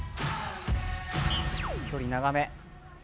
距離長め。